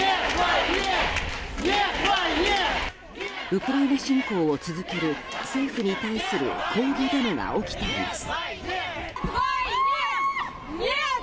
ウクライナ侵攻を続ける政府に対する抗議デモが起きています。